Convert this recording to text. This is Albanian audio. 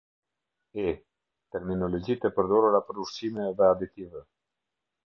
E. Terminologjitë e përdorura për ushqime dhe aditivë.